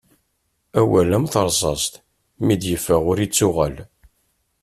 Awal am terṣast mi d-iffeɣ ur ittuɣal.